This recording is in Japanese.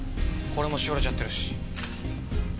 これもしおれちゃってるし。